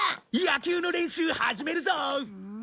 野球の練習始めるぞ。